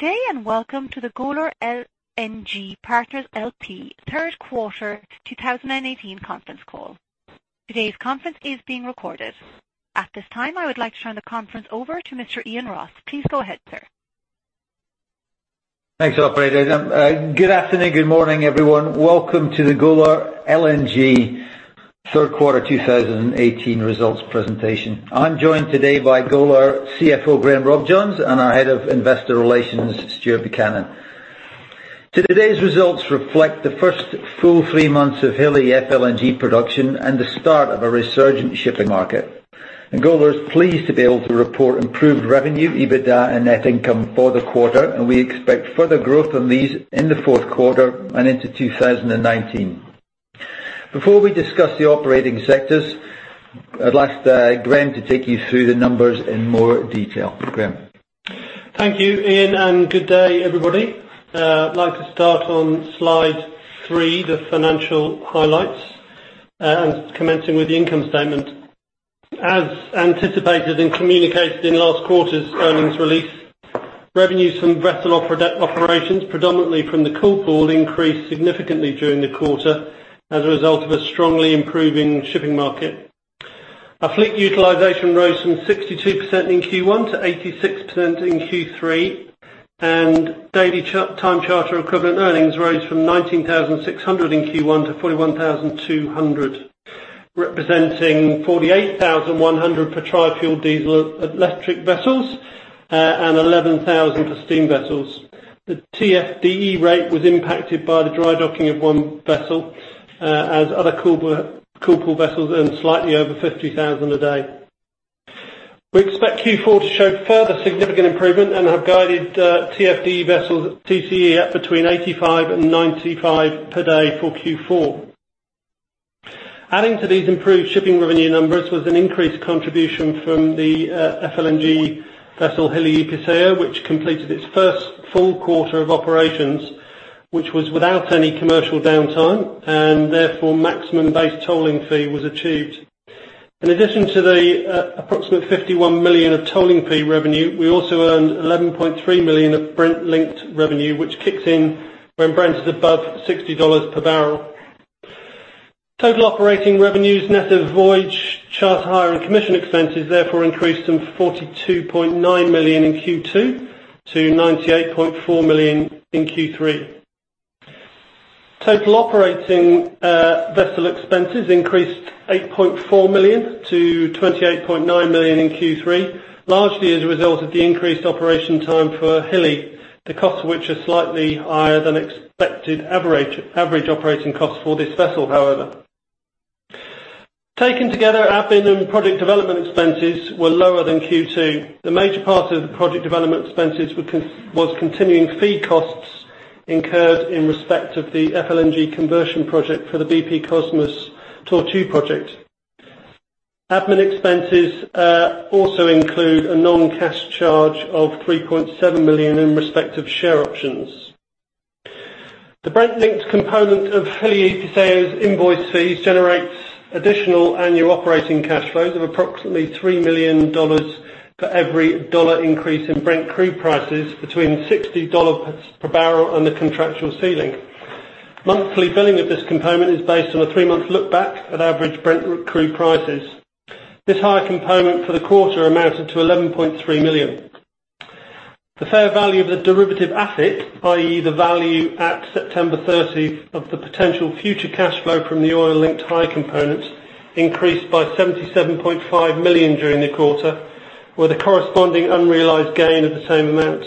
Good day, and welcome to the Golar LNG Partners LP third quarter 2018 conference call. Today's conference is being recorded. At this time, I would like to turn the conference over to Mr. Iain Ross. Please go ahead, sir. Thanks, operator. Good afternoon, good morning, everyone. Welcome to the Golar LNG third quarter 2018 results presentation. I'm joined today by Golar CFO Graham Robjohns, and our Head of Investor Relations, Stuart Buchanan. Today's results reflect the first full three months of Hilli FLNG production and the start of a resurgent shipping market, and Golar is pleased to be able to report improved revenue, EBITDA, and net income for the quarter, and we expect further growth on these in the fourth quarter and into 2019. Before we discuss the operating sectors, I'd like Graham to take you through the numbers in more detail. Graham. Thank you, Iain, good day, everybody. I'd like to start on slide three, the financial highlights, commencing with the income statement. As anticipated and communicated in last quarter's earnings release, revenues from vessel operations, predominantly from The Cool Pool, increased significantly during the quarter as a result of a strongly improving shipping market. Our fleet utilization rose from 62% in Q1 to 86% in Q3, and daily time charter equivalent earnings rose from $19,600 in Q1 to $41,200, representing $48,100 for Tri-Fuel Diesel Electric vessels, $11,000 for steam vessels. The TFDE rate was impacted by the dry docking of one vessel, as other The Cool Pool vessels earned slightly over $50,000 a day. We expect Q4 to show further significant improvement and have guided TFDE vessel TCE at between $85,000-$95,000 per day for Q4. Adding to these improved shipping revenue numbers was an increased contribution from the FLNG vessel, Hilli Episeyo, which completed its first full quarter of operations, which was without any commercial downtime, therefore maximum base tolling fee was achieved. In addition to the approximate $51 million of tolling fee revenue, we also earned $11.3 million of Brent-linked revenue, which kicks in when Brent is above $60 per barrel. Total operating revenues, net of voyage, charter hire, and commission expenses therefore increased from $42.9 million in Q2 to $98.4 million in Q3. Total operating vessel expenses increased $8.4 million to $28.9 million in Q3, largely as a result of the increased operation time for Hilli, the cost of which are slightly higher than expected average operating costs for this vessel, however. Taken together, admin and project development expenses were lower than Q2. The major part of the project development expenses was continuing fee costs incurred in respect of the FLNG conversion project for the BP Kosmos Tortue project. Admin expenses also include a non-cash charge of $3.7 million in respect of share options. The Brent-linked component of Hilli Episeyo's invoice fees generates additional annual operating cash flows of approximately $3 million for every dollar increase in Brent crude prices between $60 per barrel under contractual ceiling. Monthly billing of this component is based on a three-month look back at average Brent crude prices. This higher component for the quarter amounted to $11.3 million. The fair value of the derivative asset, i.e., the value at September 30 of the potential future cash flow from the oil-linked high component, increased by $77.5 million during the quarter, with a corresponding unrealized gain of the same amount.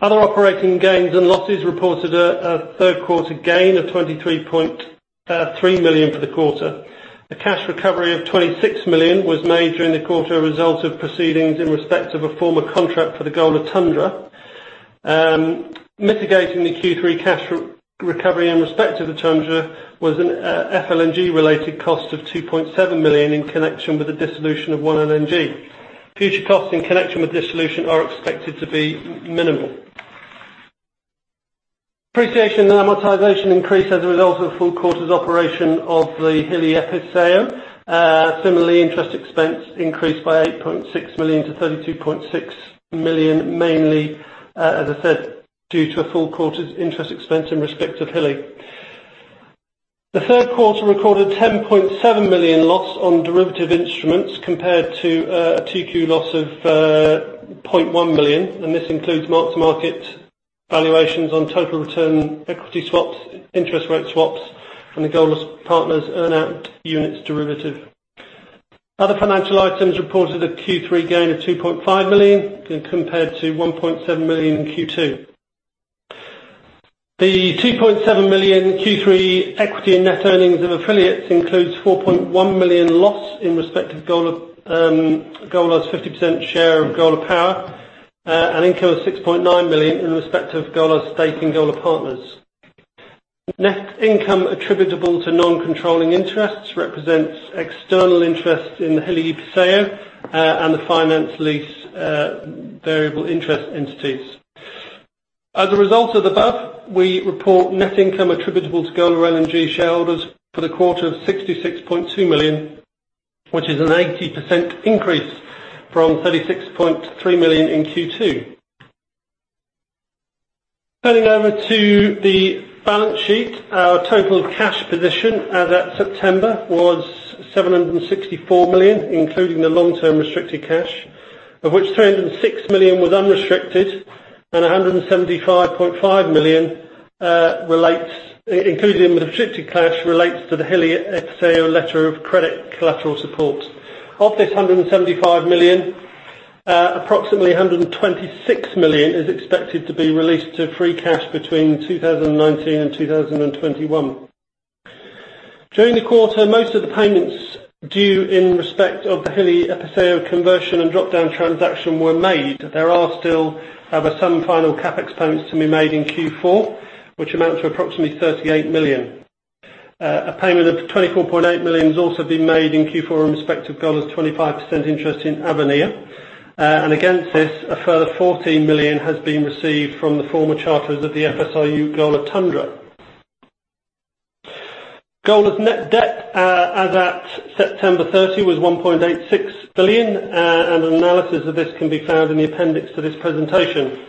Other operating gains and losses reported a third quarter gain of $23.3 million for the quarter. A cash recovery of $26 million was made during the quarter a result of proceedings in respect of a former contract for the Golar Tundra. Mitigating the Q3 cash recovery in respect to the Tundra was an FLNG-related cost of $2.7 million in connection with the dissolution of OneLNG. Future costs in connection with dissolution are expected to be minimal. Depreciation and amortization increased as a result of full quarters operation of the Hilli Episeyo. Similarly, interest expense increased by $8.6 million to $32.6 million, mainly, as I said, due to a full quarter's interest expense in respect of Hilli. The third quarter recorded $10.7 million loss on derivative instruments compared to a 2Q loss of $0.1 million, and this includes mark-to-market valuations on total return equity swaps, interest rate swaps, and the Golar Partners earn out units derivative. Other financial items reported a Q3 gain of $2.5 million compared to $1.7 million in Q2. The $2.7 million Q3 equity and net earnings of affiliates includes $4.1 million loss in respect of Golar's 50% share of Golar Power, and income of $6.9 million in respect of Golar's stake in Golar Partners. Net income attributable to non-controlling interests represents external interest in the Hilli Episeyo, and the finance lease variable interest entities. As a result of the above, we report net income attributable to Golar LNG shareholders for the quarter of $66.2 million, which is an 80% increase from $36.3 million in Q2. Turning over to the balance sheet. Our total cash position as at September was $764 million, including the long-term restricted cash, of which $306 million was unrestricted and $175.5 million, including the restricted cash, relates to the Hilli Episeyo letter of credit collateral support. Of this $175 million, approximately $126 million is expected to be released to free cash between 2019 and 2021. During the quarter, most of the payments due in respect of the Hilli Episeyo conversion and drop-down transaction were made. There are still some final CapEx payments to be made in Q4, which amount to approximately $38 million. A payment of $24.8 million has also been made in Q4 in respect of Golar's 25% interest in Avenir. Against this, a further $14 million has been received from the former charters of the FSRU, Golar Tundra. Golar's net debt as at September 30 was $1.86 billion. An analysis of this can be found in the appendix to this presentation.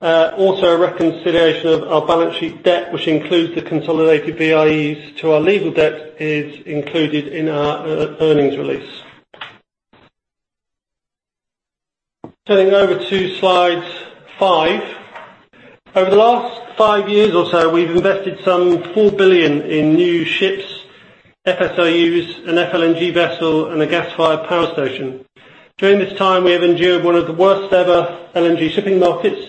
A reconciliation of our balance sheet debt, which includes the consolidated VIEs to our legal debt, is included in our earnings release. Turning over to slide five. Over the last five years or so, we've invested some $4 billion in new ships, FSRUs, an FLNG vessel, and a gas-fired power station. During this time, we have endured one of the worst ever LNG shipping markets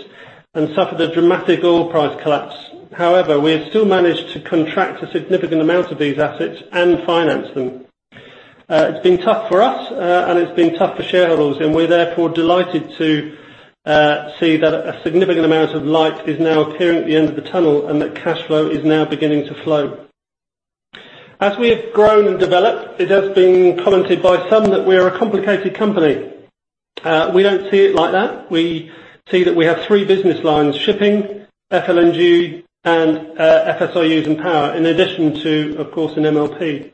and suffered a dramatic oil price collapse. We have still managed to contract a significant amount of these assets and finance them. It's been tough for us, and it's been tough for shareholders. We're therefore delighted to see that a significant amount of light is now appearing at the end of the tunnel and that cash flow is now beginning to flow. As we have grown and developed, it has been commented by some that we are a complicated company. We don't see it like that. We see that we have three business lines, shipping, FLNG, and FSRUs and power, in addition to, of course, an MLP.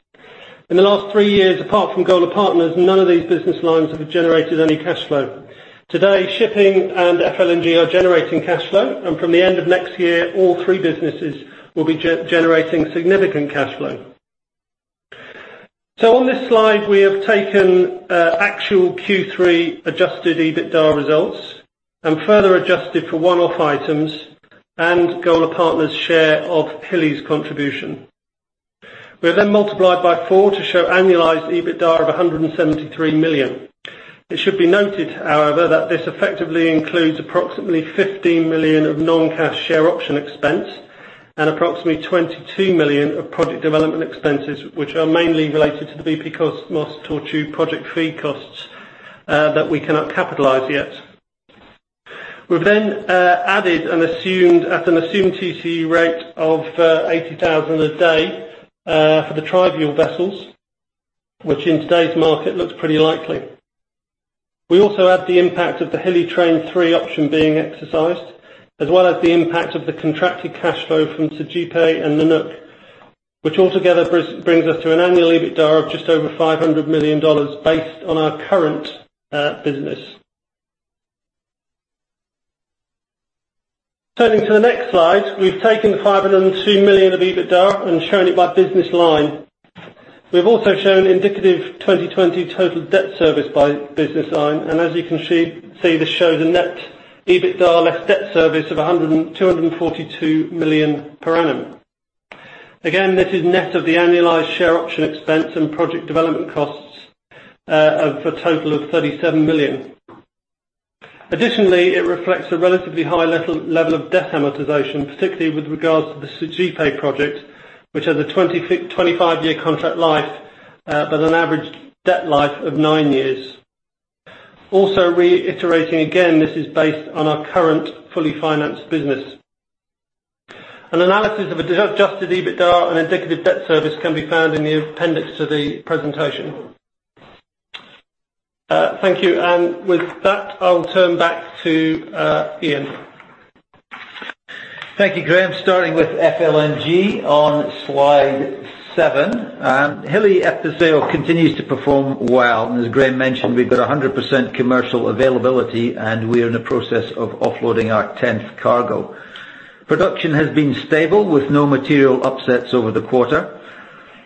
In the last three years, apart from Golar Partners, none of these business lines have generated any cash flow. Today, shipping and FLNG are generating cash flow, and from the end of next year, all three businesses will be generating significant cash flow. On this slide, we have taken actual Q3 adjusted EBITDA results and further adjusted for one-off items and Golar Partners share of Hilli's contribution. We have multiplied by four to show annualized EBITDA of $173 million. It should be noted, however, that this effectively includes approximately $15 million of non-cash share option expense and approximately $22 million of project development expenses, which are mainly related to the BP Kosmos Tortue project fee costs that we cannot capitalize yet. We've added at an assumed TCE rate of 80,000 a day for the Tri-fuel vessels, which in today's market looks pretty likely. We also add the impact of the Hilli Train 3 option being exercised, as well as the impact of the contracted cash flow from Sergipe and Golar Nanook, which altogether brings us to an annual EBITDA of just over $500 million based on our current business. Turning to the next slide. We've taken the $502 million of EBITDA and shown it by business line. We've also shown indicative 2020 total debt service by business line. As you can see, this shows a net EBITDA less debt service of $242 million per annum. This is net of the annualized share option expense and project development costs of a total of $37 million. It reflects a relatively high level of debt amortization, particularly with regards to the Sergipe project, which has a 25-year contract life but an average debt life of nine years. Reiterating again, this is based on our current fully financed business. An analysis of adjusted EBITDA and indicative debt service can be found in the appendix to the presentation. Thank you. With that, I'll turn back to Iain. Thank you, Graham. Starting with FLNG on slide seven. Hilli Episeyo continues to perform well. As Graham mentioned, we've got 100% commercial availability and we are in the process of offloading our tenth cargo. Production has been stable with no material upsets over the quarter.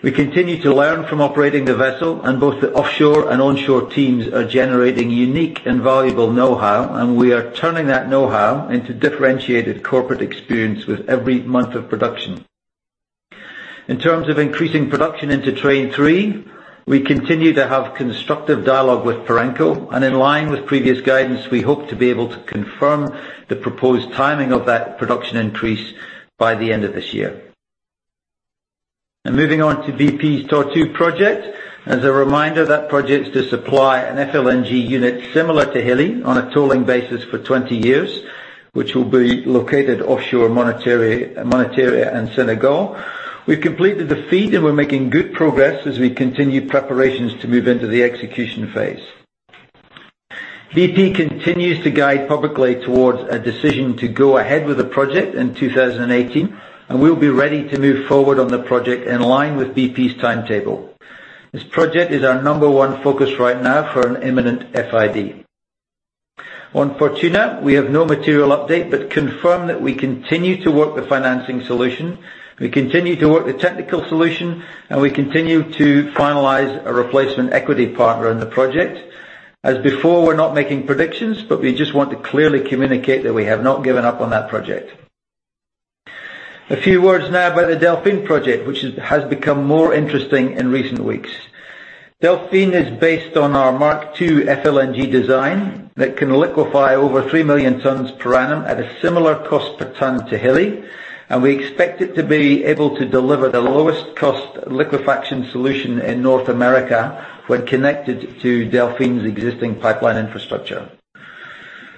We continue to learn from operating the vessel and both the offshore and onshore teams are generating unique and valuable know-how and we are turning that know-how into differentiated corporate experience with every month of production. In terms of increasing production into Train 3, we continue to have constructive dialogue with Perenco and in line with previous guidance, we hope to be able to confirm the proposed timing of that production increase by the end of this year. Moving on to BP Tortue project. As a reminder, that project is to supply an FLNG unit similar to Hilli on a tolling basis for 20 years, which will be located offshore Mauritania in Senegal. We've completed the FEED and we're making good progress as we continue preparations to move into the execution phase. BP continues to guide publicly towards a decision to go ahead with the project in 2018, and we'll be ready to move forward on the project in line with BP's timetable. This project is our number 1 focus right now for an imminent FID. On Fortuna, we have no material update. Confirm that we continue to work the financing solution, we continue to work the technical solution, and we continue to finalize a replacement equity partner in the project. As before, we're not making predictions, we just want to clearly communicate that we have not given up on that project. A few words now about the Delfin project, which has become more interesting in recent weeks. Delfin is based on our Mark II FLNG design that can liquefy over 3 million tons per annum at a similar cost per ton to Hilli, and we expect it to be able to deliver the lowest cost liquefaction solution in North America when connected to Delfin's existing pipeline infrastructure.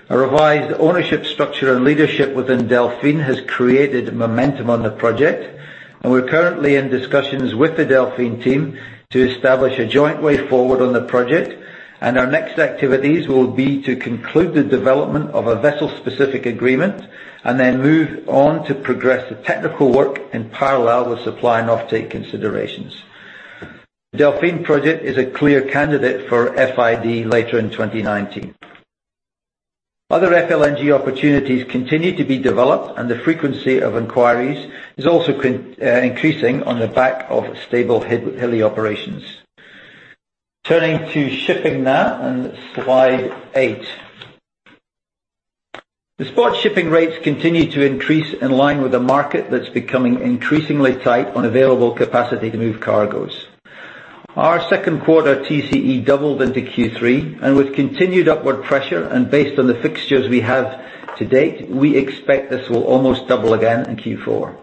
A revised ownership structure and leadership within Delfin has created momentum on the project, and we're currently in discussions with the Delfin team to establish a joint way forward on the project. Our next activities will be to conclude the development of a vessel-specific agreement and then move on to progress the technical work in parallel with supply and off-take considerations. Delfin project is a clear candidate for FID later in 2019. Other FLNG opportunities continue to be developed, and the frequency of inquiries is also increasing on the back of stable Hilli operations. Turning to shipping now on slide eight. The spot shipping rates continue to increase in line with the market that's becoming increasingly tight on available capacity to move cargoes. Our second quarter TCE doubled into Q3. With continued upward pressure and based on the fixtures we have to date, we expect this will almost double again in Q4.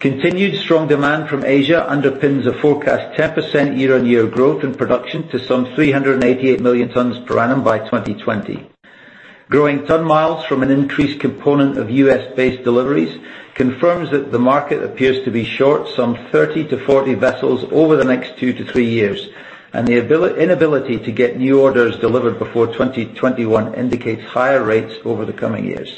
Continued strong demand from Asia underpins a forecast 10% year-on-year growth in production to some 388 million tons per annum by 2020. Growing ton miles from an increased component of U.S.-based deliveries confirms that the market appears to be short some 30-40 vessels over the next two to three years, and the inability to get new orders delivered before 2021 indicates higher rates over the coming years.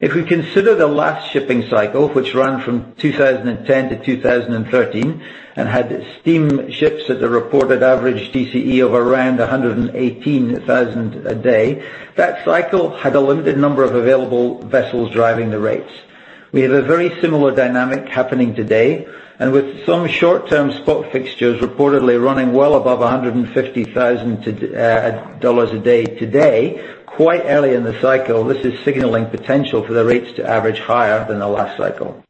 If we consider the last shipping cycle, which ran from 2010 to 2013 and had steamships at the reported average TCE of around $118,000 a day, that cycle had a limited number of available vessels driving the rates. We have a very similar dynamic happening today, and with some short-term spot fixtures reportedly running well above $150,000 a day today, quite early in the cycle, this is signaling potential for the rates to average higher than the last cycle.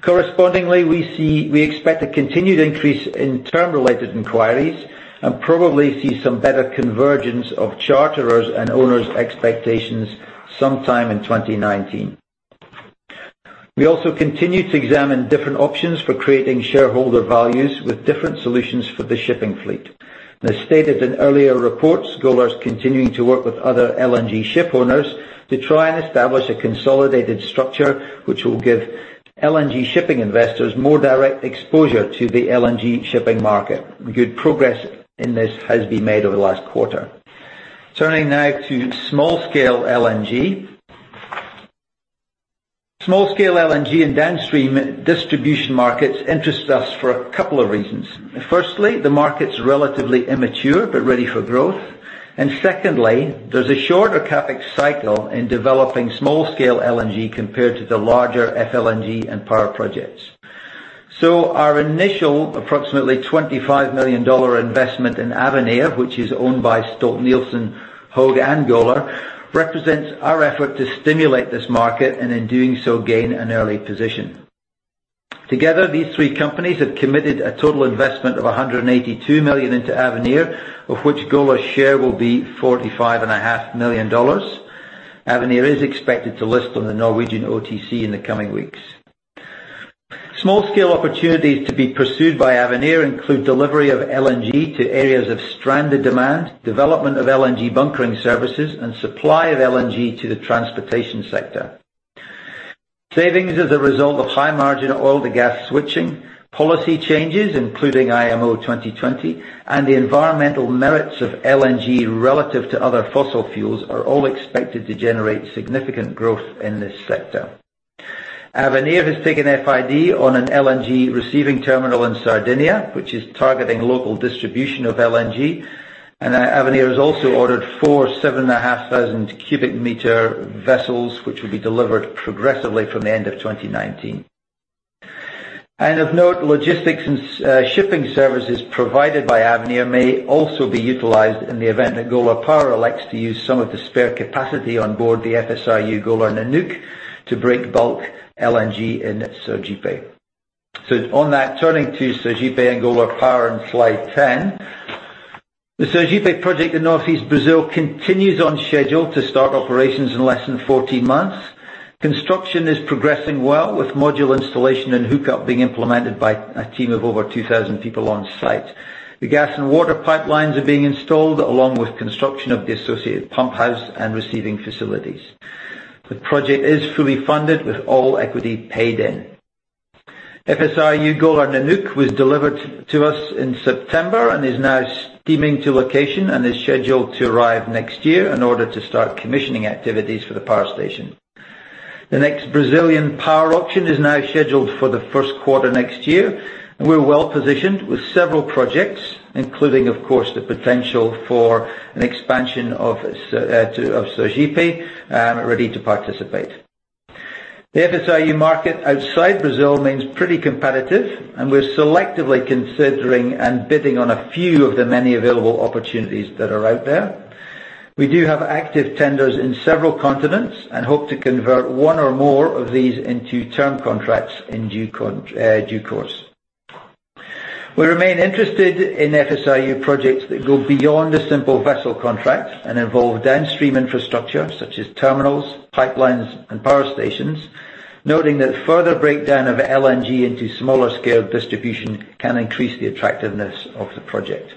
Correspondingly, we expect a continued increase in term-related inquiries and probably see some better convergence of charterers and owners' expectations sometime in 2019. We also continue to examine different options for creating shareholder values with different solutions for the shipping fleet. As stated in earlier reports, Golar is continuing to work with other LNG ship owners to try and establish a consolidated structure which will give LNG shipping investors more direct exposure to the LNG shipping market. Good progress in this has been made over the last quarter. Turning now to small-scale LNG. Small-scale LNG and downstream distribution markets interest us for a couple of reasons. Firstly, the market's relatively immature but ready for growth. Secondly, there's a shorter CapEx cycle in developing small-scale LNG compared to the larger FLNG and power projects. Our initial approximately $25 million investment in Avenir, which is owned by Stolt-Nielsen, Høegh, and Golar, represents our effort to stimulate this market, and in doing so, gain an early position. Together, these three companies have committed a total investment of $182 million into Avenir, of which Golar's share will be $45.5 million. Avenir is expected to list on the Norwegian OTC in the coming weeks. Small-scale opportunities to be pursued by Avenir include delivery of LNG to areas of stranded demand, development of LNG bunkering services, and supply of LNG to the transportation sector. Savings as a result of high-margin oil-to-gas switching, policy changes, including IMO 2020, and the environmental merits of LNG relative to other fossil fuels are all expected to generate significant growth in this sector. Avenir has taken FID on an LNG receiving terminal in Sardinia, which is targeting local distribution of LNG. Avenir has also ordered four 7,500 cubic meter vessels, which will be delivered progressively from the end of 2019. Of note, logistics and shipping services provided by Avenir may also be utilized in the event that Golar Power elects to use some of the spare capacity on board the FSRU Golar Nanook to bring bulk LNG in Sergipe. On that, turning to Sergipe and Golar Power on slide 10. The Sergipe project in Northeast Brazil continues on schedule to start operations in less than 14 months. Construction is progressing well with module installation and hookup being implemented by a team of over 2,000 people on site. The gas and water pipelines are being installed along with construction of the associated pump house and receiving facilities. The project is fully funded with all equity paid in. FSRU Golar Nanook was delivered to us in September and is now steaming to location and is scheduled to arrive next year in order to start commissioning activities for the power station. The next Brazilian power auction is now scheduled for the first quarter next year, and we're well-positioned with several projects, including, of course, the potential for an expansion of Sergipe, ready to participate. The FSRU market outside Brazil remains pretty competitive, and we're selectively considering and bidding on a few of the many available opportunities that are out there. We do have active tenders in several continents and hope to convert one or more of these into term contracts in due course. We remain interested in FSRU projects that go beyond a simple vessel contract and involve downstream infrastructure such as terminals, pipelines, and power stations, noting that further breakdown of LNG into smaller scaled distribution can increase the attractiveness of the project.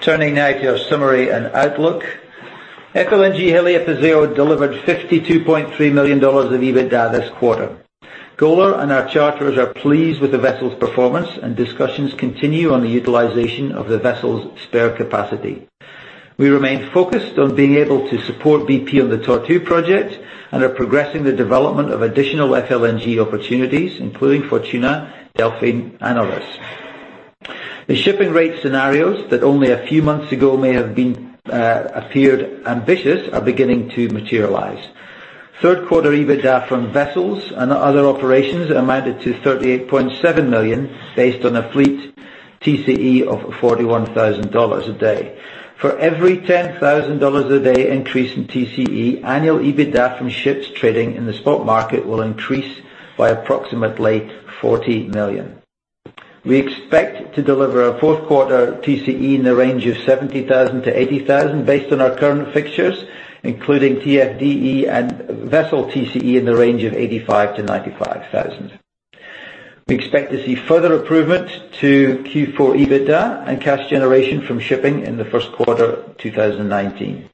Turning now to our summary and outlook. FLNG Hilli Episeyo delivered $52.3 million of EBITDA this quarter. Golar and our charterers are pleased with the vessel's performance. Discussions continue on the utilization of the vessel's spare capacity. We remain focused on being able to support BP on the Tortue project and are progressing the development of additional FLNG opportunities, including Fortuna, Delfin, and others. The shipping rate scenarios that only a few months ago may have appeared ambitious are beginning to materialize. Third quarter EBITDA from vessels and other operations amounted to $38.7 million based on a fleet TCE of $41,000 a day. For every $10,000 a day increase in TCE, annual EBITDA from ships trading in the spot market will increase by approximately $40 million. We expect to deliver a fourth quarter TCE in the range of $70,000-$80,000 based on our current fixtures, including TFDE and vessel TCE in the range of $85,000-$95,000. We expect to see further improvement to Q4 EBITDA and cash generation from shipping in the first quarter 2019.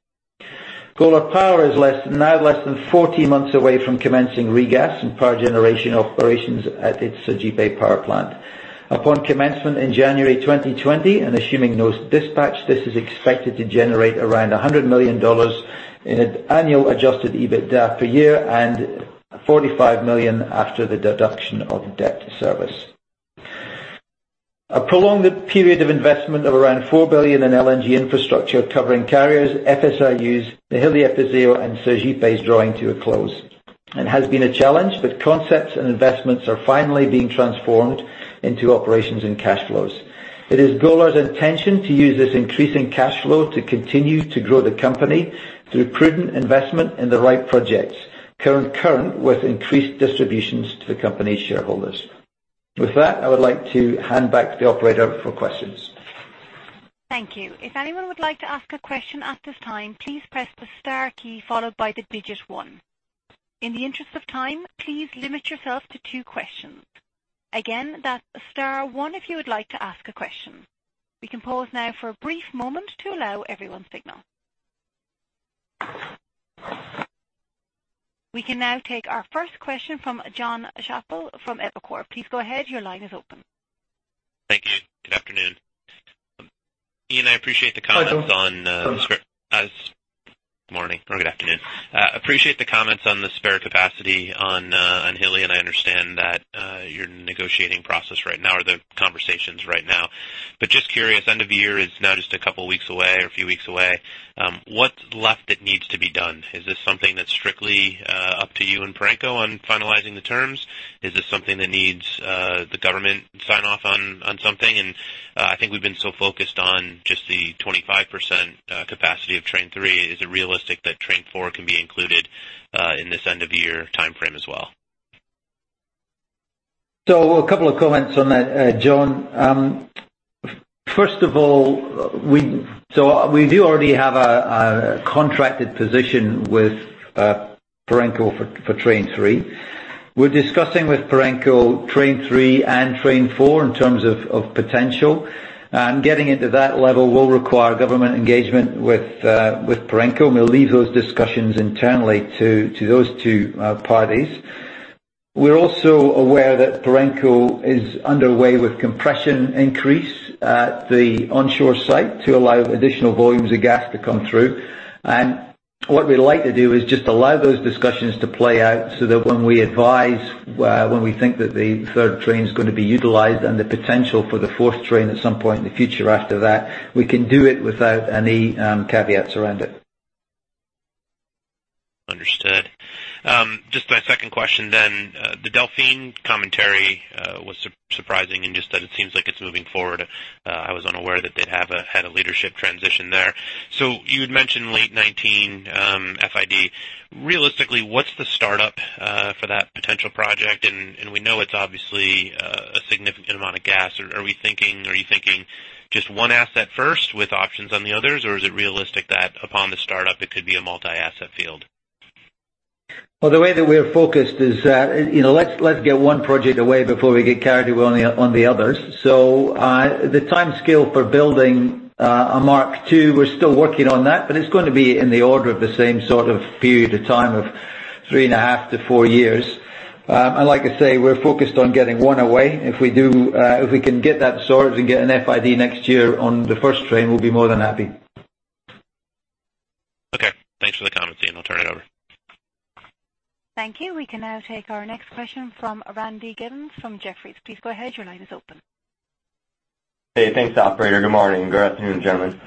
Golar Power is now less than 14 months away from commencing regas and power generation operations at its Sergipe power plant. Upon commencement in January 2020 and assuming those dispatch, this is expected to generate around $100 million in annual adjusted EBITDA per year and $45 million after the deduction of debt service. A prolonged period of investment of around $4 billion in LNG infrastructure covering carriers, FSRUs, Hilli Episeyo, and Sergipe is drawing to a close, and has been a challenge, but concepts and investments are finally being transformed into operations and cash flows. It is Golar's intention to use this increasing cash flow to continue to grow the company through prudent investment in the right projects concurrent with increased distributions to the company shareholders. With that, I would like to hand back to the operator for questions. Thank you. If anyone would like to ask a question at this time, please press the star key followed by the digit 1. In the interest of time, please limit yourself to two questions. Again, that's star one if you would like to ask a question. We can pause now for a brief moment to allow everyone signal. We can now take our first question from Jonathan Chappell from Evercore. Please go ahead. Your line is open. Thank you. Good afternoon. Iain, I appreciate the comments on. Hi, John. How are you? Morning or good afternoon. I appreciate the comments on the spare capacity on Hilli, and I understand that you're in a negotiating process right now or the conversations right now. Just curious, end of the year is now just a couple of weeks away or a few weeks away. What's left that needs to be done? Is this something that's strictly up to you and Perenco on finalizing the terms? Is this something that needs the government sign-off on something? I think we've been so focused on just the 25% capacity of Train 3 Is it realistic that Train 4 can be included in this end of year timeframe as well? A couple of comments on that, John. First of all, we do already have a contracted position with Perenco for Train 3. We're discussing with Perenco Train 3 and Train 4 in terms of potential. Getting it to that level will require government engagement with Perenco, and we'll leave those discussions internally to those two parties. We're also aware that Perenco is underway with compression increase at the onshore site to allow additional volumes of gas to come through. What we like to do is just allow those discussions to play out so that when we advise, when we think that the third train is going to be utilized and the potential for the fourth train at some point in the future after that, we can do it without any caveats around it. Understood. Just my second question. The Delfin commentary was surprising in just that it seems like it's moving forward. I was unaware that they'd had a leadership transition there. You had mentioned late 2019 FID. Realistically, what's the startup for that potential project? We know it's obviously a significant amount of gas. Are you thinking just one asset first with options on the others? Or is it realistic that upon the startup it could be a multi-asset field? The way that we are focused is let's get one project away before we get carried away on the others. The timescale for building a Mark II, we're still working on that, but it's going to be in the order of the same sort of period of time of Three and a half to four years. Like I say, we're focused on getting one away. If we can get that sorted and get an FID next year on the first train, we'll be more than happy. Okay. Thanks for the comment, Iain. I'll turn it over. Thank you. We can now take our next question from Randy Giveans from Jefferies. Please go ahead. Your line is open. Hey, thanks operator. Good morning. Good afternoon, gentlemen.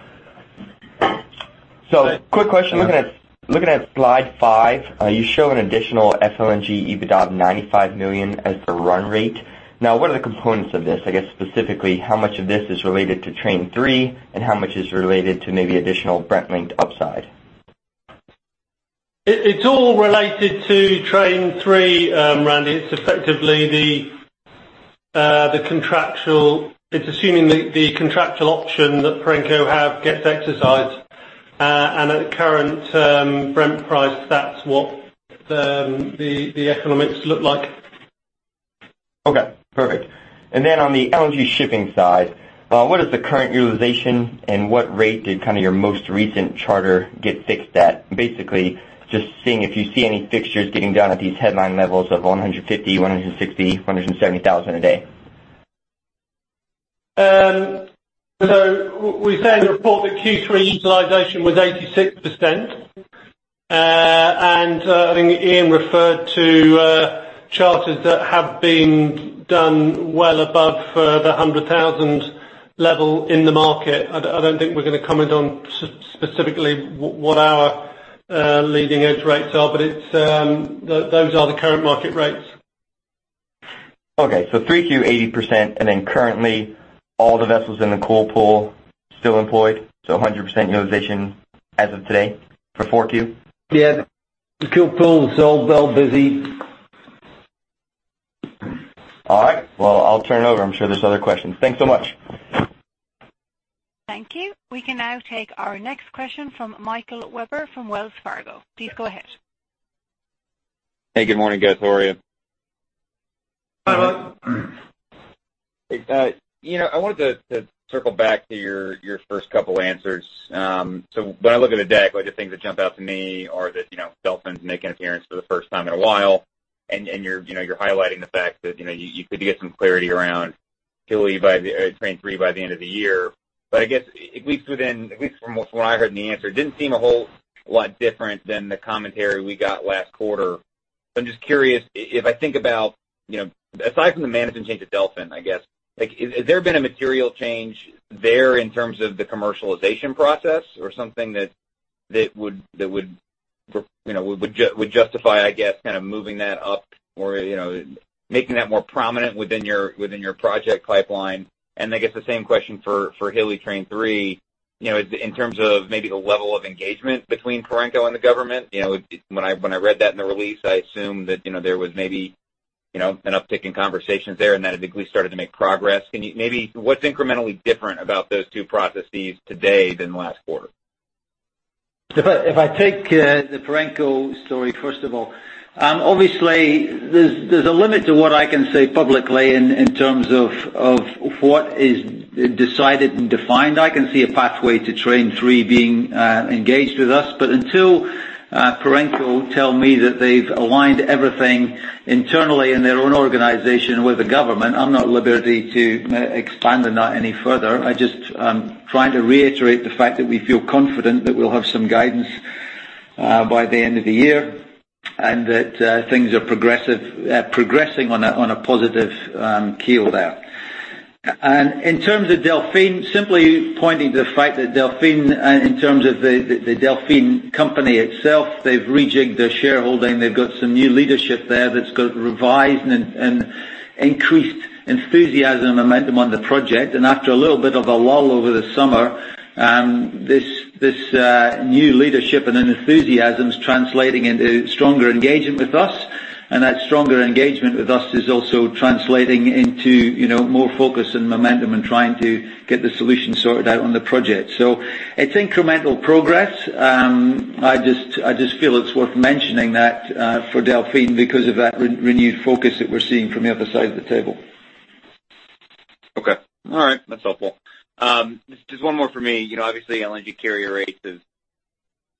Good day. Quick question. Looking at slide five, you show an additional FLNG EBITDA of $95 million as the run rate. What are the components of this? I guess specifically, how much of this is related to Train 3, and how much is related to maybe additional Brent-linked upside? It's all related to Train 3, Randy. It's assuming the contractual option that Perenco have gets exercised. At the current Brent price, that's what the economics look like. Perfect. On the LNG shipping side, what is the current utilization and what rate did kind of your most recent charter get fixed at? Basically, just seeing if you see any fixtures getting done at these headline levels of $150,000, $160,000, $170,000 a day. We say in the report that Q3 utilization was 86%. I think Iain referred to charters that have been done well above the $100,000 level in the market. I don't think we're going to comment on specifically what our leading edge rates are, but those are the current market rates. Okay, 3Q 80%, currently all the vessels in The Cool Pool still employed. 100% utilization as of today for 4Q? Yeah. The Cool Pool is all busy. All right. Well, I'll turn it over. I'm sure there's other questions. Thanks so much. Thank you. We can now take our next question from Michael Webber from Wells Fargo. Please go ahead. Hey, good morning, guys. How are you? Hi, Michael. Hey, I wanted to circle back to your first couple answers. When I look at the deck, the things that jump out to me are that Delfin's making an appearance for the first time in a while, and you're highlighting the fact that you could get some clarity around Hilli Train 3 by the end of the year. I guess at least from what I heard in the answer, it didn't seem a whole lot different than the commentary we got last quarter. I'm just curious if I think about aside from the management change at Delfin, I guess, has there been a material change there in terms of the commercialization process or something that would justify, I guess, kind of moving that up or making that more prominent within your project pipeline? I guess the same question for Hilli Train 3, in terms of maybe the level of engagement between Perenco and the government. When I read that in the release, I assumed that there was maybe an uptick in conversations there and that it at least started to make progress. What's incrementally different about those two processes today than last quarter? If I take the Perenco story, first of all. Obviously, there's a limit to what I can say publicly in terms of what is decided and defined. I can see a pathway to Train 3 being engaged with us. Until Perenco tell me that they've aligned everything internally in their own organization with the government, I'm not at liberty to expand on that any further. I just trying to reiterate the fact that we feel confident that we'll have some guidance by the end of the year and that things are progressing on a positive keel there. In terms of Delfin, simply pointing to the fact that in terms of the Delfin company itself, they've rejigged their shareholding. They've got some new leadership there that's got revised and increased enthusiasm and momentum on the project. After a little bit of a lull over the summer, this new leadership and an enthusiasm is translating into stronger engagement with us. That stronger engagement with us is also translating into more focus and momentum in trying to get the solution sorted out on the project. It's incremental progress. I just feel it's worth mentioning that for Delfin because of that renewed focus that we're seeing from the other side of the table. Okay. All right. That's helpful. Just one more for me. Obviously LNG carrier rates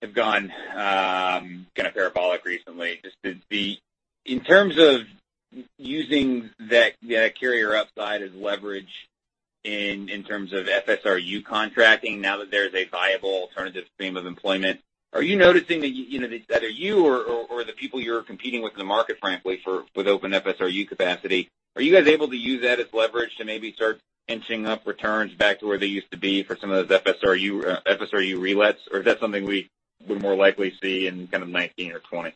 have gone kind of parabolic recently. Just in terms of using that carrier upside as leverage in terms of FSRU contracting now that there's a viable alternative stream of employment. Are you noticing that either you or the people you're competing with in the market, frankly, with open FSRU capacity. Are you guys able to use that as leverage to maybe start inching up returns back to where they used to be for some of those FSRU relets? Or is that something we would more likely see in kind of 2019 or 2020?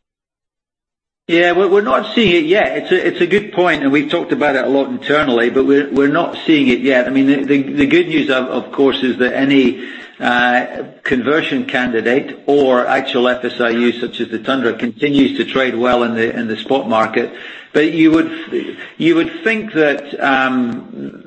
Yeah. We're not seeing it yet. It's a good point, we've talked about it a lot internally, we're not seeing it yet. I mean, the good news, of course, is that any conversion candidate or actual FSRU such as the Golar Tundra continues to trade well in the spot market. You would think that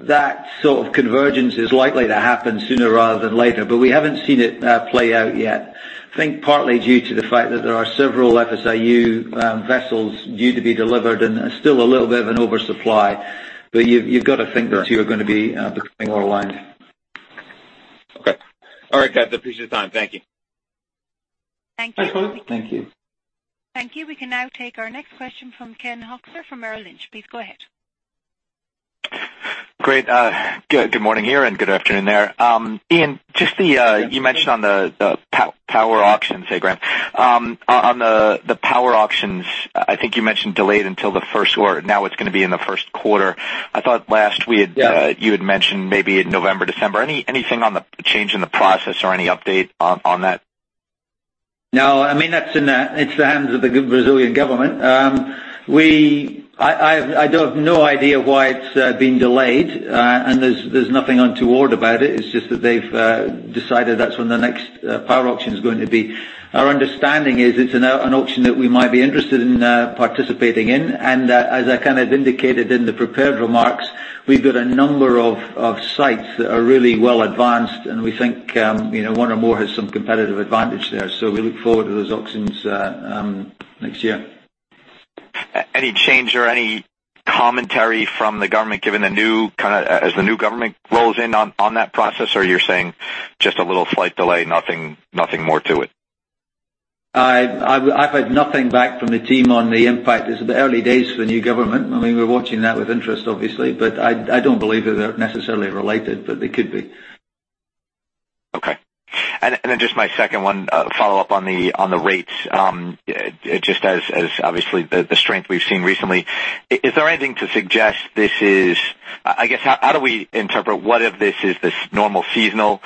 that sort of convergence is likely to happen sooner rather than later, we haven't seen it play out yet. I think partly due to the fact that there are several FSRU vessels due to be delivered and still a little bit of an oversupply. You've got to think the two are going to be becoming more aligned. All right, guys. I appreciate the time. Thank you. Thank you. Thanks, folks. Thank you. Thank you. We can now take our next question from Ken Hoexter from BofA Merrill Lynch. Please go ahead. Great. Good morning, Iain, good afternoon there. Iain, you mentioned on the power auctions there, Graham. On the power auctions, I think you mentioned delayed until the first quarter. Now it's going to be in the first quarter. I thought last week- Yeah you had mentioned maybe in November, December. Anything on the change in the process or any update on that? No. It's in the hands of the Brazilian government. I have no idea why it's been delayed. There's nothing untoward about it. It's just that they've decided that's when the next power auction is going to be. Our understanding is it's an auction that we might be interested in participating in, as I indicated in the prepared remarks, we've got a number of sites that are really well advanced, and we think one or more has some competitive advantage there. We look forward to those auctions next year. Any change or any commentary from the government, as the new government rolls in on that process, or you're saying just a little slight delay, nothing more to it? I've heard nothing back from the team on the impact. These are the early days for the new government. We're watching that with interest, obviously, I don't believe that they're necessarily related. They could be. Okay. Just my second one, a follow-up on the rates. Just as, obviously, the strength we've seen recently. Is there anything to suggest this is. I guess, how do we interpret what of this is this normal seasonal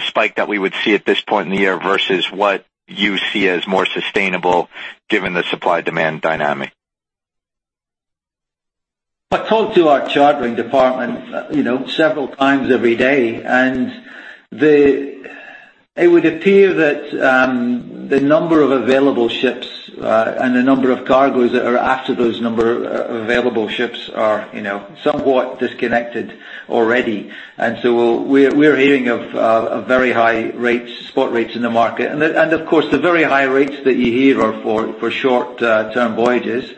spike that we would see at this point in the year versus what you see as more sustainable given the supply-demand dynamic? I talk to our chartering department several times every day. It would appear that the number of available ships and the number of cargoes that are after those number of available ships are somewhat disconnected already. We're hearing of very high spot rates in the market. Of course, the very high rates that you hear are for short-term voyages.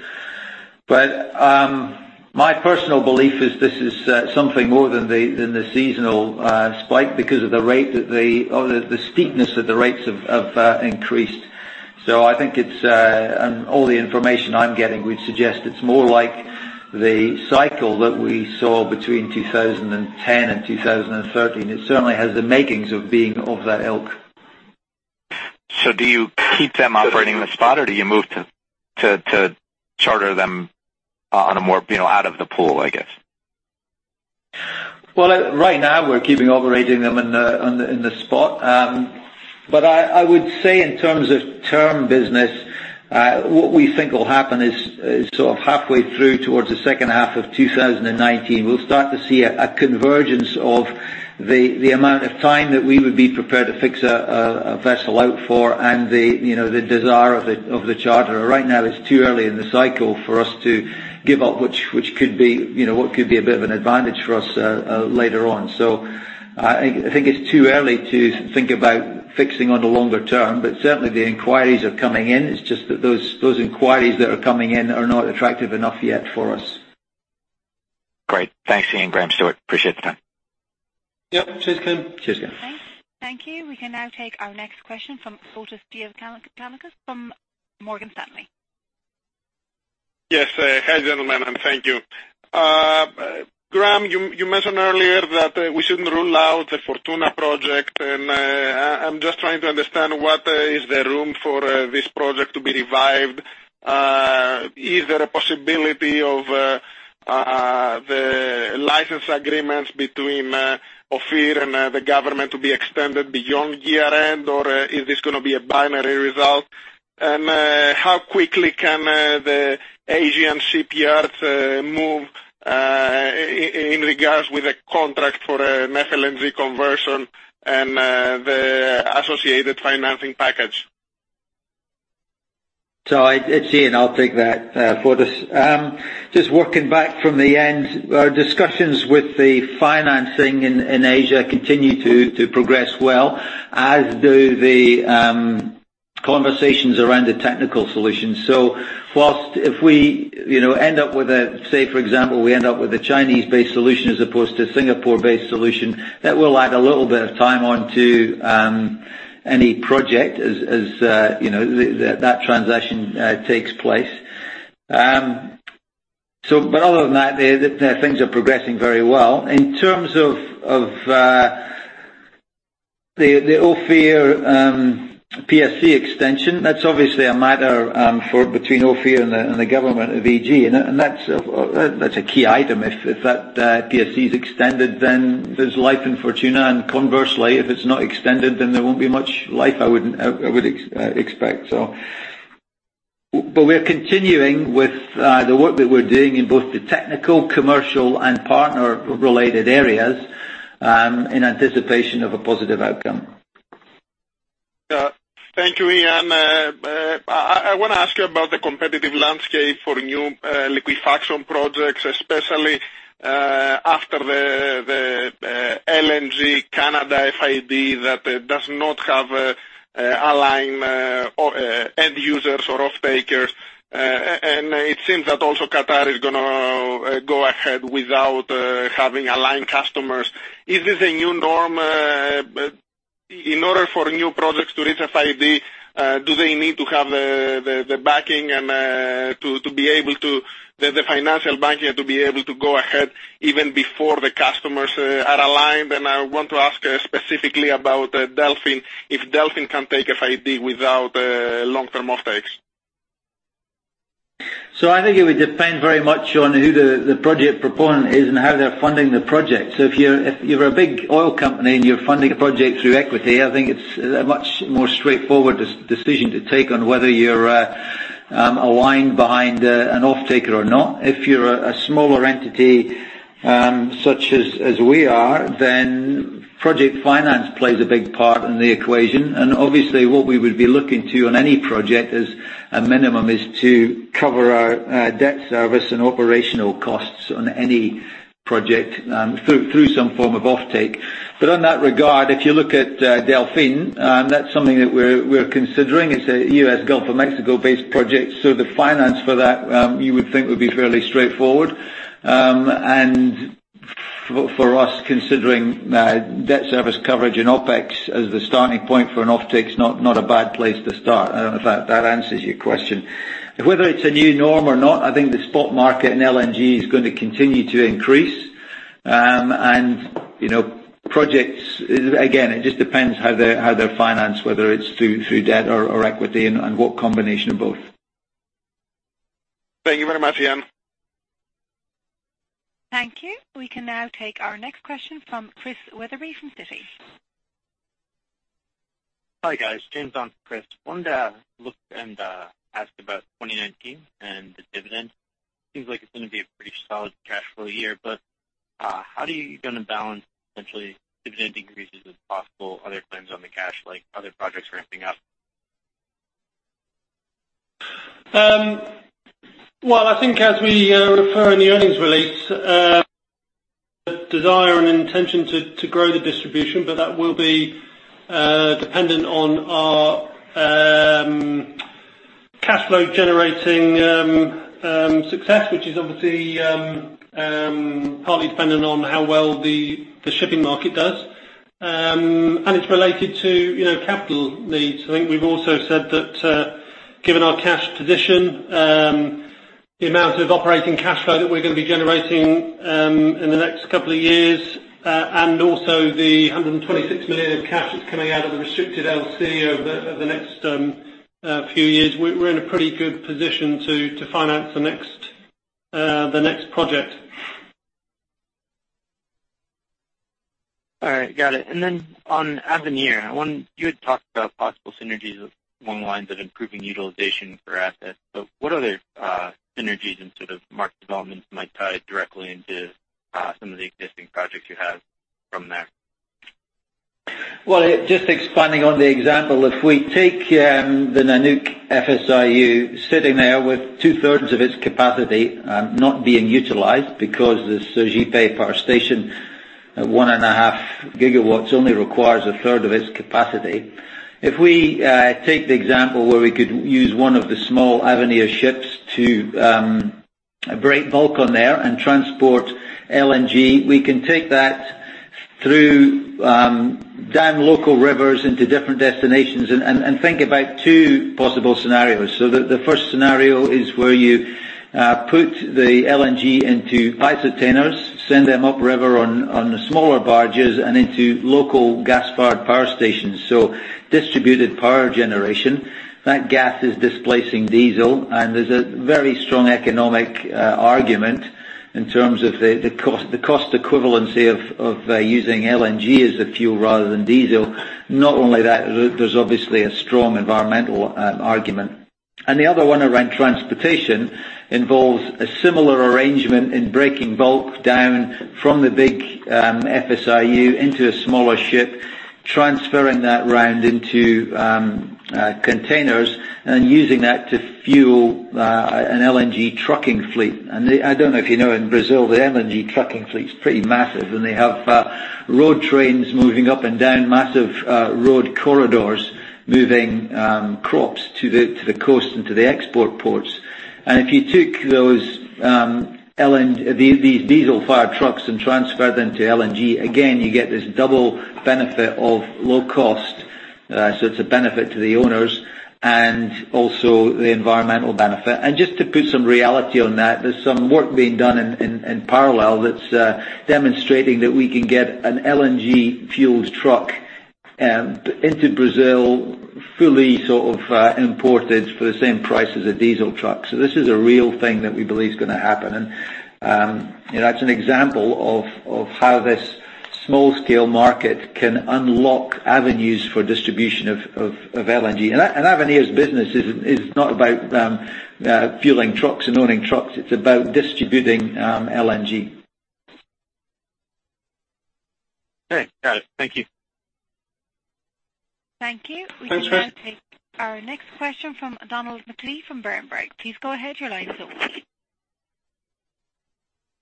My personal belief is this is something more than the seasonal spike because of the steepness of the rates have increased. I think all the information I'm getting would suggest it's more like the cycle that we saw between 2010 and 2013. It certainly has the makings of being of that ilk. Do you keep them operating in the spot, or do you move to charter them out of The Cool Pool, I guess? Well, right now, we're keeping operating them in the spot. I would say in terms of term business, what we think will happen is sort of halfway through towards the second half of 2019, we'll start to see a convergence of the amount of time that we would be prepared to fix a vessel out for and the desire of the charterer. Right now, it's too early in the cycle for us to give up what could be a bit of an advantage for us later on. I think it's too early to think about fixing on the longer term, but certainly the inquiries are coming in. It's just that those inquiries that are coming in are not attractive enough yet for us. Great. Thanks, Iain, Graham, Stuart. Appreciate the time. Yep. Cheers, Ken. Cheers, Ken. Thanks. Thank you. We can now take our next question from Fotis Giannakoulis from Morgan Stanley. Yes. Hi, gentlemen, and thank you. Graham, you mentioned earlier that we shouldn't rule out the Fortuna project, and I'm just trying to understand what is the room for this project to be revived. Is there a possibility of the license agreements between Ophir and the government to be extended beyond year-end, or is this going to be a binary result? How quickly can the Asian shipyards move in regards with the contract for a methane conversion and the associated financing package? It's Iain. I'll take that, Fotis. Just working back from the end, our discussions with the financing in Asia continue to progress well, as do the conversations around the technical solution. Whilst if we end up with a, say, for example, we end up with a Chinese-based solution as opposed to a Singapore-based solution, that will add a little bit of time on to any project as that transaction takes place. Other than that, things are progressing very well. In terms of the Ophir PSC extension, that's obviously a matter between Ophir and the government of EG, and that's a key item. If that PSC is extended, then there's life in Fortuna, and conversely, if it's not extended, then there won't be much life I would expect. We're continuing with the work that we're doing in both the technical, commercial, and partner-related areas in anticipation of a positive outcome. Thank you, Iain. I want to ask you about the competitive landscape for new liquefaction projects, especially after the LNG Canada FID that does not have aligned end users or off-takers. It seems that also Qatar is going to go ahead without having aligned customers. Is this a new norm? In order for new projects to reach FID, do they need to have the backing and the financial backing to be able to go ahead even before the customers are aligned? I want to ask specifically about Delfin, if Delfin can take FID without long-term offtakes. I think it would depend very much on who the project proponent is and how they're funding the project. If you're a big oil company and you're funding a project through equity, I think it's a much more straightforward decision to take on whether you're aligned behind an offtaker or not. If you're a smaller entity, such as we are, project finance plays a big part in the equation. Obviously what we would be looking to on any project as a minimum is to cover our debt service and operational costs on any project through some form of offtake. On that regard, if you look at Delfin, that's something that we're considering. It's a U.S. Gulf of Mexico-based project, the finance for that you would think would be fairly straightforward. For us, considering debt service coverage and OpEx as the starting point for an offtake is not a bad place to start. I don't know if that answers your question. Whether it's a new norm or not, I think the spot market in LNG is going to continue to increase. Projects, again, it just depends how they're financed, whether it's through debt or equity, and what combination of both. Thank you very much, Iain. Thank you. We can now take our next question from Christian Wetherbee from Citi. Hi, guys. James on for Chris. Wanted to look and ask about 2019 and the dividend. Seems like it's going to be a pretty solid cash flow year, but how are you going to balance potentially dividend increases if possible, other claims on the cash, like other projects ramping up? Well, I think as we refer in the earnings release, desire and intention to grow the distribution, but that will be dependent on our cash flow-generating success, which is obviously partly dependent on how well the shipping market does. It's related to capital needs. I think we've also said that given our cash position, the amount of operating cash flow that we're going to be generating in the next couple of years, and also the $126 million of cash that's coming out of the restricted LC over the next few years, we're in a pretty good position to finance the next project. Got it. On Avenir, you had talked about possible synergies along the lines of improving utilization for assets, but what other synergies and sort of market developments might tie directly into some of the existing projects you have from there? Well, just expanding on the example. If we take the Golar Nanook FSRU sitting there with two-thirds of its capacity not being utilized because the Sergipe power station at 1.5 gigawatts only requires a third of its capacity. If we take the example where we could use one of the small Avenir ships to break bulk on there and transport LNG. We can take that through down local rivers into different destinations and think about two possible scenarios. The first scenario is where you put the LNG into ISO containers, send them upriver on smaller barges and into local gas-fired power stations. Distributed power generation. That gas is displacing diesel, and there's a very strong economic argument in terms of the cost equivalency of using LNG as a fuel rather than diesel. Not only that, there's obviously a strong environmental argument. The other one around transportation involves a similar arrangement in breaking bulk down from the big FSRU into a smaller ship, transferring that round into containers and using that to fuel an LNG trucking fleet. I don't know if you know, in Brazil, the LNG trucking fleet's pretty massive. They have road trains moving up and down massive road corridors, moving crops to the coast into the export ports. If you took these diesel-fired trucks and transferred them to LNG, again, you get this double benefit of low cost. It's a benefit to the owners and also the environmental benefit. Just to put some reality on that, there's some work being done in parallel that's demonstrating that we can get an LNG-fueled truck into Brazil fully sort of imported for the same price as a diesel truck. This is a real thing that we believe is going to happen. That's an example of how this small-scale market can unlock avenues for distribution of LNG. Avenir's business is not about fueling trucks and owning trucks. It's about distributing LNG. Okay. Got it. Thank you. Thank you. Thanks, Chris. We can now take our next question from Donald McClean from Berenberg. Please go ahead. Your line's open.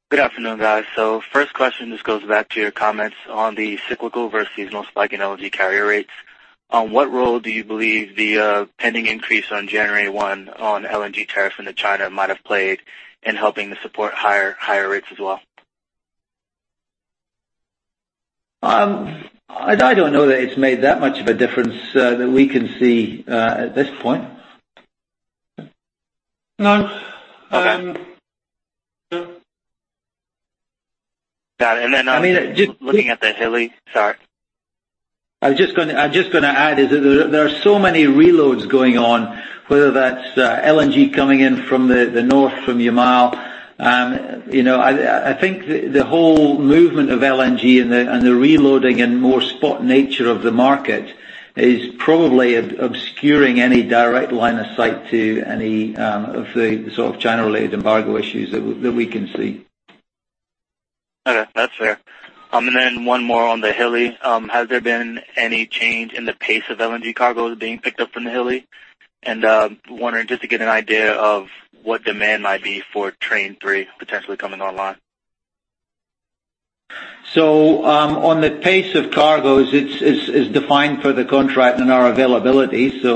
Good afternoon, guys. First question just goes back to your comments on the cyclical versus seasonal spike in LNG carrier rates. On what role do you believe the pending increase on January 1 on LNG tariff into China might have played in helping to support higher rates as well? I don't know that it's made that much of a difference that we can see at this point. No. Okay. Got it. I mean. Looking at the Hilli. Sorry. I'm just going to add, is that there are so many reloads going on, whether that's LNG coming in from the north, from Yamal. I think the whole movement of LNG and the reloading and more spot nature of the market is probably obscuring any direct line of sight to any of the sort of China-related embargo issues that we can see. Okay. That's fair. Then one more on the Hilli. Has there been any change in the pace of LNG cargos being picked up from the Hilli? Wondering just to get an idea of what demand might be for Train 3 potentially coming online. On the pace of cargos, it's defined per the contract and our availability. There's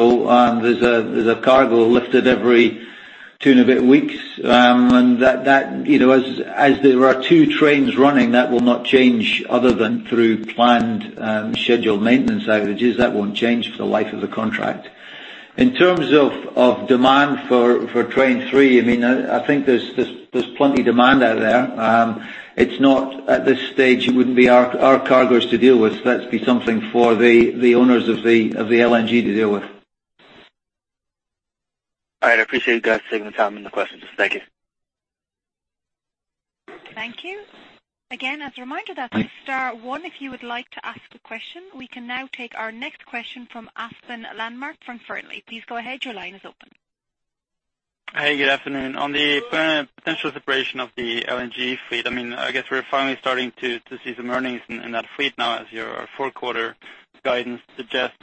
a cargo lifted every two and a bit weeks. As there are two trains running, that will not change other than through planned, scheduled maintenance outages. That won't change for the life of the contract. In terms of demand for Train 3, I think there's plenty demand out there. At this stage, it wouldn't be our cargos to deal with. That'd be something for the owners of the LNG to deal with. All right. I appreciate you guys taking the time and the questions. Thank you. Thank you. Again, as a reminder, that's star one, if you would like to ask a question. We can now take our next question from Espen Landmark from Fearnley. Please go ahead. Your line is open. Hey, good afternoon. On the potential separation of the LNG fleet, I guess we're finally starting to see some earnings in that fleet now as your fourth quarter guidance suggests.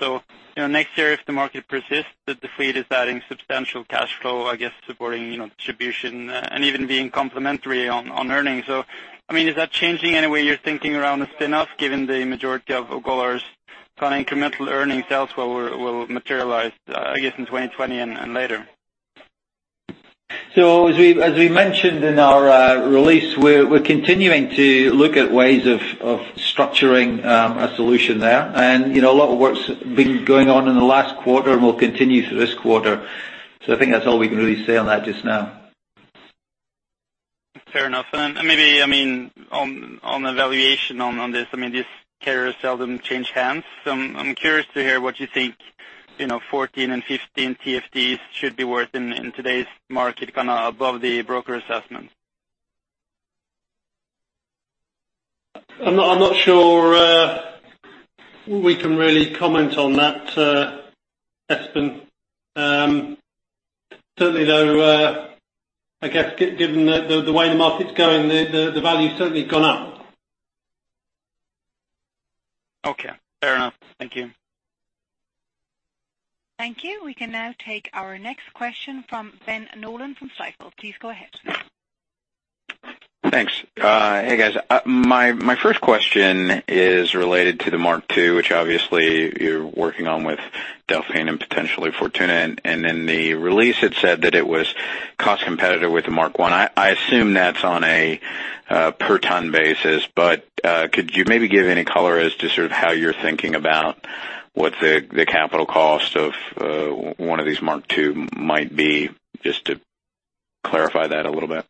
Next year, if the market persists, the fleet is adding substantial cash flow, I guess, supporting distribution and even being complementary on earnings. Is that changing any way you're thinking around a spin-off, given the majority of Golar's kind of incremental earnings elsewhere will materialize, I guess, in 2020 and later? As we mentioned in our release, we're continuing to look at ways of structuring a solution there. A lot of work's been going on in the last quarter and will continue through this quarter. I think that's all we can really say on that just now. Fair enough. Maybe, on evaluation on this, these carriers seldom change hands. I'm curious to hear what you think, 14 and 15 TFDEs should be worth in today's market, above the broker assessments. I'm not sure we can really comment on that, Espen. Certainly though, I guess given the way the market's going, the value's certainly gone up. Okay. Fair enough. Thank you. Thank you. We can now take our next question from Ben Nolan from Stifel. Please go ahead. Thanks. Hey, guys. My first question is related to the Mark II, which obviously you're working on with Delfin and potentially Fortuna. In the release, it said that it was cost competitive with the Mark I. I assume that's on a per ton basis, but could you maybe give any color as to sort of how you're thinking about what the capital cost of one of these Mark II might be, just to clarify that a little bit?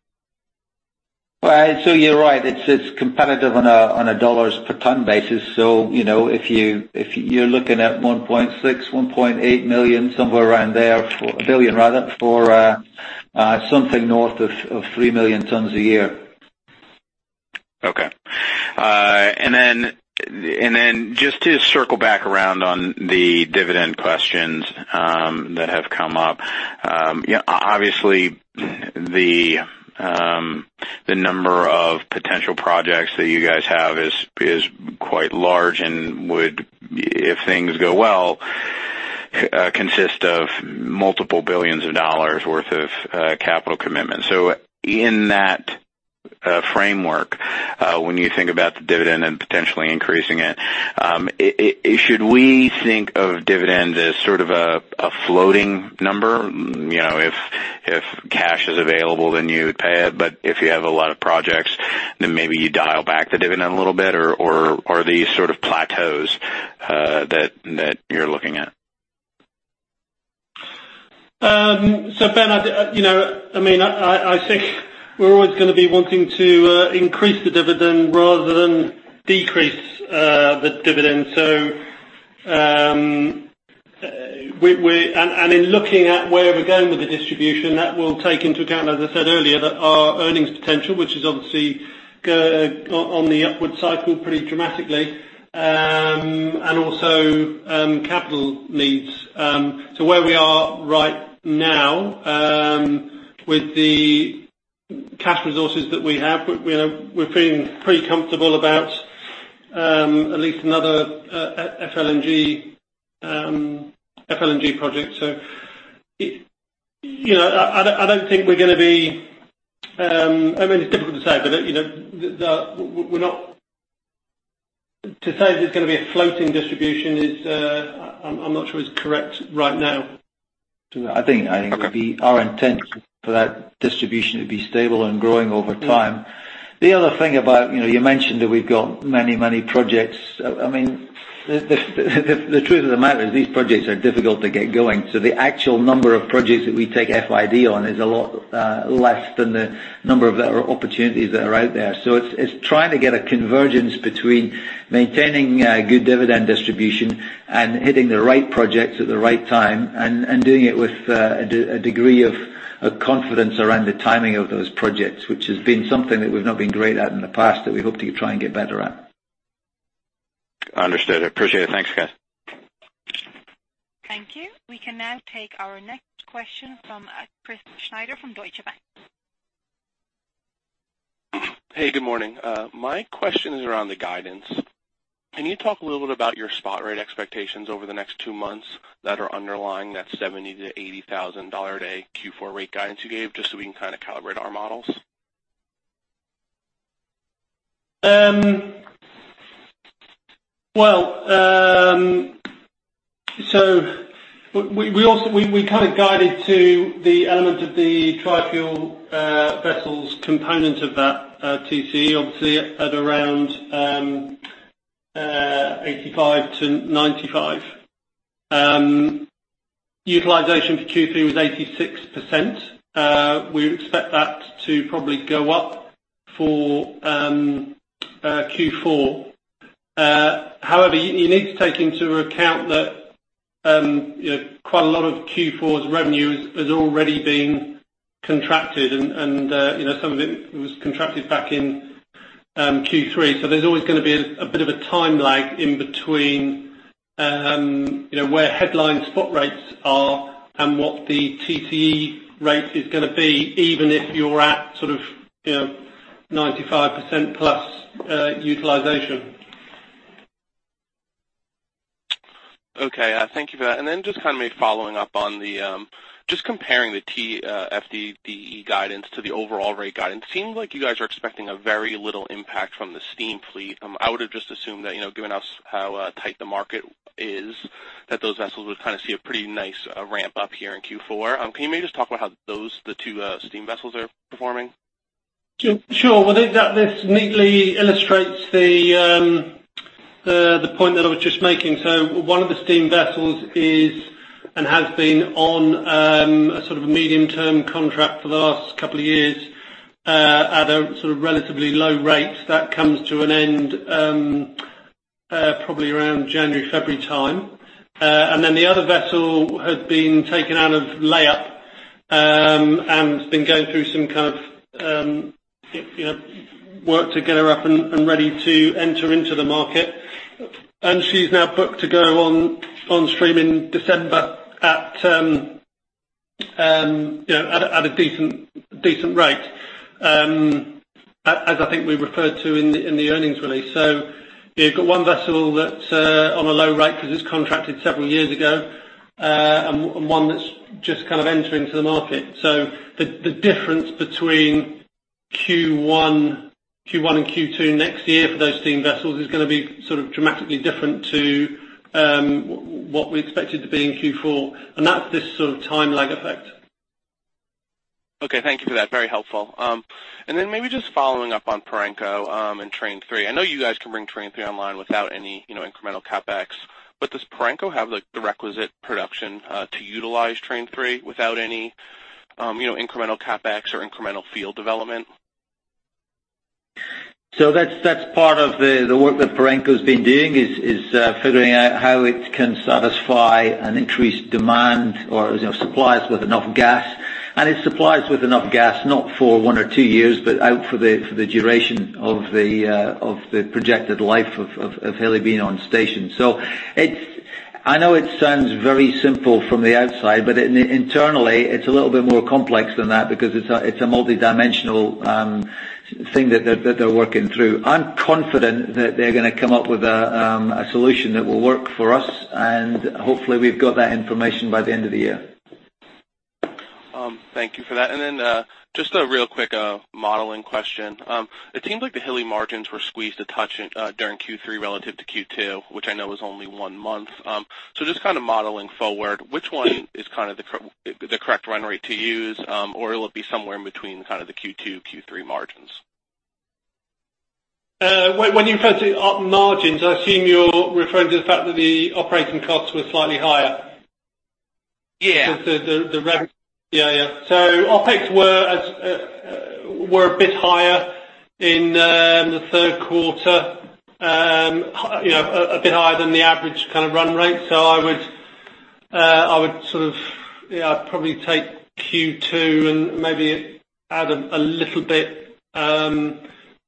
You're right. It's competitive on a dollars per ton basis. If you're looking at $1.6 billion-$1.8 billion, somewhere around there, for something north of 3 million tons a year. Okay. Just to circle back around on the dividend questions that have come up. Obviously, the number of potential projects that you guys have is quite large and would, if things go well, consist of multiple billions of dollars worth of capital commitment. In that framework, when you think about the dividend and potentially increasing it, should we think of dividend as sort of a floating number? If cash is available, you would pay it, but if you have a lot of projects, maybe you dial back the dividend a little bit, or are they sort of plateaus that you're looking at? Ben, I think we're always going to be wanting to increase the dividend rather than decrease the dividend. In looking at where we're going with the distribution, that will take into account, as I said earlier, that our earnings potential, which is obviously on the upward cycle pretty dramatically, and also capital needs. Where we are right now with the cash resources that we have, we're feeling pretty comfortable about at least another FLNG project. It's difficult to say, to say there's going to be a floating distribution, I'm not sure is correct right now. I think our intent for that distribution to be stable and growing over time. The other thing, you mentioned that we've got many, many projects. The truth of the matter is these projects are difficult to get going. The actual number of projects that we take FID on is a lot less than the number of opportunities that are out there. It's trying to get a convergence between maintaining a good dividend distribution and hitting the right projects at the right time, and doing it with a degree of confidence around the timing of those projects. Which has been something that we've not been great at in the past that we hope to try and get better at. Understood. Appreciate it. Thanks, guys. Thank you. We can now take our next question from Chris Schneider from Deutsche Bank. Hey, good morning. My question is around the guidance. Can you talk a little bit about your spot rate expectations over the next two months that are underlying that $70,000-$80,000 a day Q4 rate guidance you gave, just so we can calibrate our models? We guided to the element of the tri-fuel vessels component of that TCE, obviously at around 85%-95%. Utilization for Q3 was 86%. We expect that to probably go up for Q4. However, you need to take into account that quite a lot of Q4's revenue has already been contracted, and some of it was contracted back in Q3. There's always going to be a bit of a time lag in between where headline spot rates are and what the TCE rate is going to be, even if you're at 95%+ utilization. Okay. Thank you for that. Just following up on comparing the TFDE guidance to the overall rate guidance. Seems like you guys are expecting a very little impact from the steam fleet. I would have just assumed that, given how tight the market is, that those vessels would see a pretty nice ramp up here in Q4. Can you maybe just talk about how the two steam vessels are performing? Sure. Well, this neatly illustrates the point that I was just making. One of the steam vessels is, and has been, on a medium-term contract for the last couple of years at a relatively low rate. That comes to an end probably around January, February time. The other vessel has been taken out of layup, and has been going through some work to get her up and ready to enter into the market. She's now booked to go on stream in December at a decent rate, as I think we referred to in the earnings release. You've got one vessel that's on a low rate because it's contracted several years ago, and one that's just entering into the market. The difference between Q1 and Q2 next year for those steam vessels is going to be dramatically different to what we expected to be in Q4, and that's this time lag effect. Okay, thank you for that. Very helpful. Maybe just following up on Perenco and Train 3. I know you guys can bring Train 3 online without any incremental CapEx. Does Perenco have the requisite production to utilize Train 3 without any incremental CapEx or incremental field development? That's part of the work that Perenco's been doing, is figuring out how it can satisfy an increased demand or supplies with enough gas. It supplies with enough gas, not for one or two years, out for the duration of the projected life of Hilli being on station. I know it sounds very simple from the outside, internally, it's a little bit more complex than that because it's a multidimensional thing that they're working through. I'm confident that they're going to come up with a solution that will work for us, and hopefully we've got that information by the end of the year. Thank you for that. Just a real quick modeling question. It seems like the Hilli margins were squeezed a touch during Q3 relative to Q2, which I know is only one month. Just modeling forward, which one is the correct run rate to use? Will it be somewhere in between the Q2, Q3 margins? When you refer to margins, I assume you're referring to the fact that the operating costs were slightly higher. Yeah. The revenue. OpEx were a bit higher in the third quarter, a bit higher than the average run rate. I would probably take Q2 and maybe add a little bit as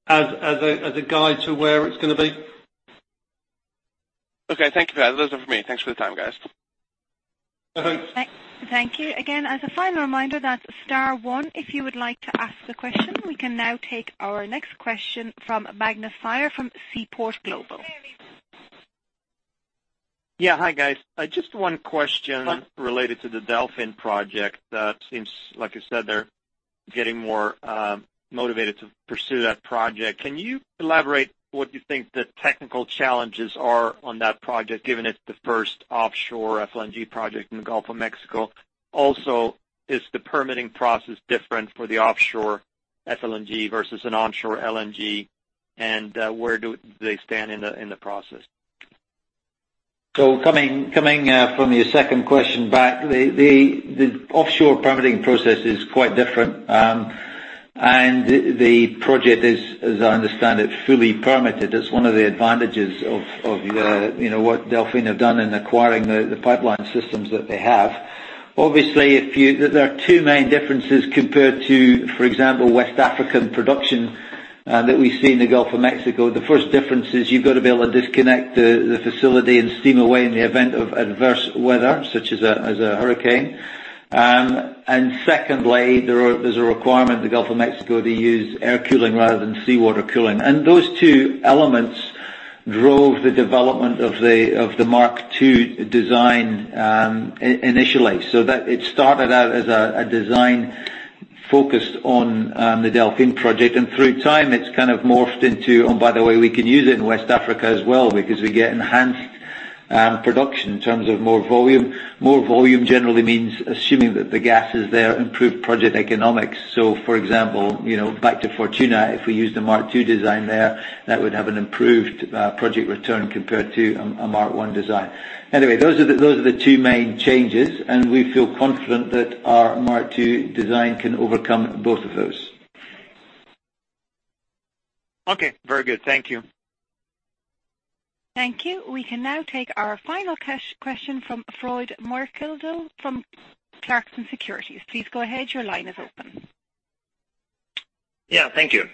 a guide to where it's going to be. Thank you for that. Those are for me. Thanks for the time, guys. Over to. Thank you. Again, as a final reminder, that's star one if you would like to ask a question. We can now take our next question from Magnus Fyhr from Seaport Global. Hi, guys. Just one question related to the Delfin project. Seems, like you said, they're getting more motivated to pursue that project. Can you elaborate what you think the technical challenges are on that project, given it's the first offshore FLNG project in the Gulf of Mexico? Also, is the permitting process different for the offshore FLNG versus an onshore LNG? Where do they stand in the process? Coming from your second question back, the offshore permitting process is quite different. The project is, as I understand it, fully permitted. It's one of the advantages of what Delfin have done in acquiring the pipeline systems that they have. Obviously, there are two main differences compared to, for example, West African production that we see in the Gulf of Mexico. The first difference is you've got to be able to disconnect the facility and steam away in the event of adverse weather, such as a hurricane. Secondly, there's a requirement in the Gulf of Mexico to use air cooling rather than seawater cooling. Those two elements drove the development of the Mark II design initially. It started out as a design focused on the Delfin project. Through time it's kind of morphed into, oh, by the way, we can use it in West Africa as well because we get enhanced production in terms of more volume. More volume generally means assuming that the gas is there, improved project economics. For example, back to Fortuna, if we use the Mark II design there, that would have an improved project return compared to a Mark I design. Anyway, those are the two main changes. We feel confident that our Mark II design can overcome both of those. Okay. Very good. Thank you. Thank you. We can now take our final question from Frode Morkedal from Clarksons Platou Securities. Please go ahead. Your line is open. Yeah. Thank you.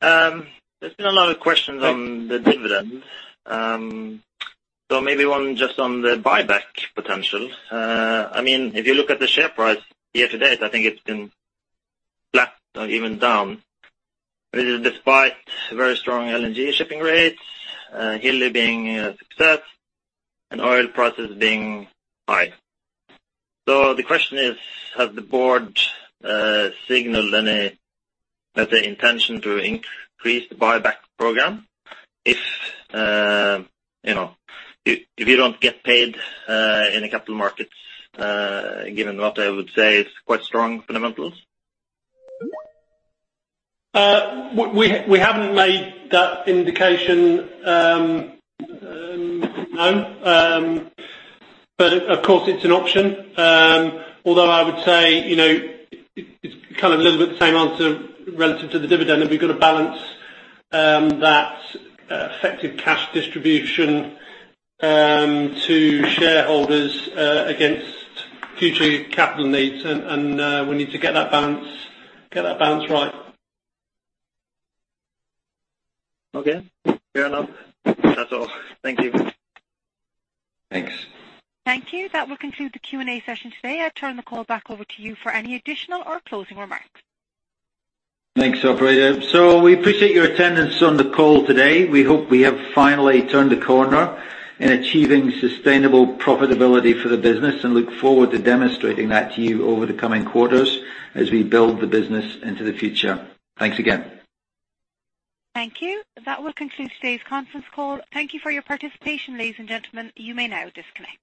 There has been a lot of questions on the dividend. Maybe one just on the buyback potential. If you look at the share price year to date, I think it has been flat or even down. This is despite very strong LNG shipping rates, Hilli being a success, and oil prices being high. The question is: has the board signaled any intention to increase the buyback program if you don't get paid in the capital markets, given what I would say is quite strong fundamentals? We haven't made that indication, no. Of course, it's an option. Although I would say it's kind of a little bit the same answer relative to the dividend, that we've got to balance that effective cash distribution to shareholders against future capital needs. We need to get that balance right. Okay. Fair enough. That's all. Thank you. Thanks. Thank you. That will conclude the Q&A session today. I turn the call back over to you for any additional or closing remarks. Thanks, operator. We appreciate your attendance on the call today. We hope we have finally turned a corner in achieving sustainable profitability for the business and look forward to demonstrating that to you over the coming quarters as we build the business into the future. Thanks again. Thank you. That will conclude today's conference call. Thank you for your participation, ladies and gentlemen. You may now disconnect.